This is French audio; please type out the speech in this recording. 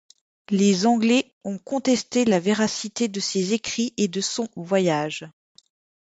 Les Anglais ont contesté la véracité de ses écrits et de son voyage.